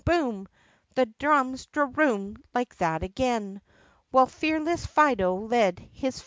boom ! The drums de roomed like that again, While fearless Fido led his fighting men.